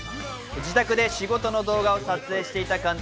自宅で仕事の動画を撮影していた監督。